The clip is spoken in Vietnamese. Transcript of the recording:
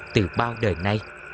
từ bao đời nay